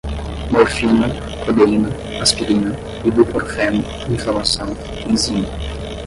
morfina, codeína, aspirina, ibuprofeno, inflamação, enzima